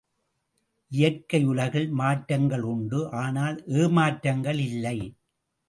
இயற்கை உலகில் மாற்றங்கள் உண்டு ஆனால் ஏமாற்றங்கள் இல்லை.